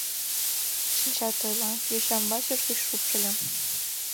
— Шинчат ойла, — йочам вачыж гыч шупшыльо.